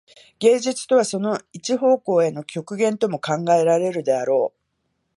芸術とはその一方向への極限とも考えられるであろう。